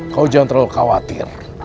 kau jangan terlalu khawatir